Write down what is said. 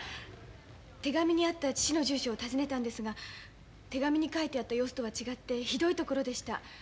手紙にあった父の住所を訪ねたんですが手紙に書いてあった様子とは違ってひどい所でした。